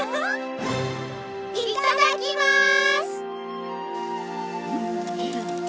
いただきます！